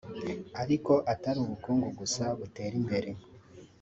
Ariko atari ubukungu gusa butera imbere